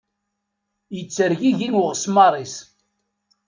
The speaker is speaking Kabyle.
Yettergigi uɣesmar-is.